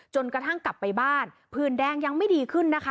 กระทั่งกลับไปบ้านผื่นแดงยังไม่ดีขึ้นนะคะ